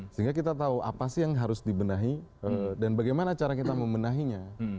sehingga kita tahu apa sih yang harus dibenahi dan bagaimana cara kita membenahinya